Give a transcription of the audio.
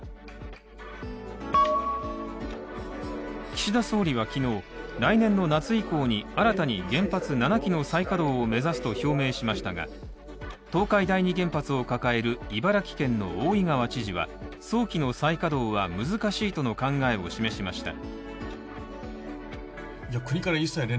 岸田総理は昨日、来年の夏以降に新たに原発７基の再稼働を目指すと表明しましたが東海第二原発を抱える茨城県の大井川知事は早期の再稼働は難しいとの考えを示しました。